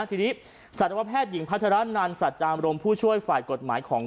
ทีนี้สัตวแพทย์หญิงพัฒนานันสัจจามรมผู้ช่วยฝ่ายกฎหมายของ